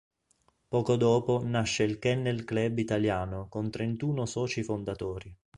Poco dopo nasce il Kennel club italiano con trentuno soci fondatori.